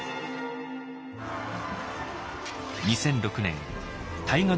２００６年大河ドラマ